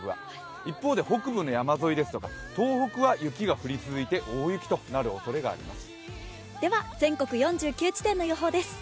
一方で北部の山沿いですとか東北は雪が降り続いて大雪となるおそれがあります。